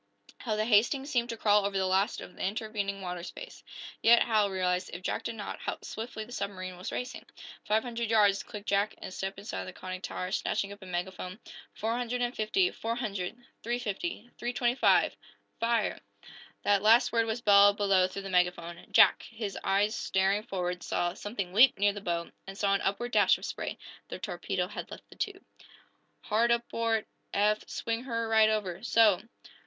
How the "Hastings" seemed to crawl over the last of the intervening water space! Yet Hal realized, if Jack did not, how swiftly the submarine was racing. "Five hundred yards!" clicked Jack, and stepped inside the conning tower, snatching up a megaphone. Four hundred and fifty four hundred three fifty three twenty five! "Fire!" That last word was bellowed below through the megaphone. Jack, his eyes staring forward, saw something leap near the bow, and saw an upward dash of spray. The torpedo had left the tube. "Hard aport, Eph! Swing her right over. So!"